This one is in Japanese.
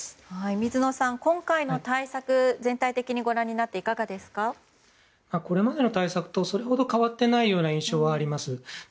水野さん、今回の対策を全体的にご覧になってこれまでの対策とそれほど変わっていない印象はあります。